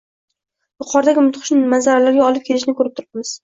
yuqoridagi mudhish manzaralarga olib kelishini ko‘rib turibmiz.